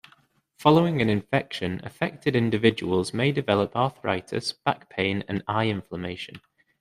Following an infection, affected individuals may develop arthritis, back pain, and eye inflammation.